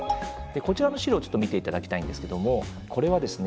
こちらの資料を、ちょっと見ていただきたいんですけどこれはですね